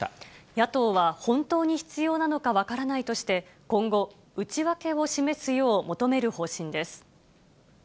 野党は、本当に必要なのか分からないとして、今後、内訳を示すよう求める方針です。